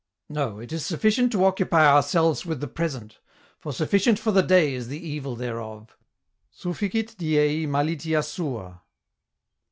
No, it is enough to occupy ourselves with the present, for ' Sufficient for the day is the evil thereof,' —' sufficit diei malitia sua.